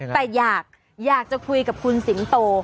แต่อยากอยากจะคุยกับคุณสิงห์โต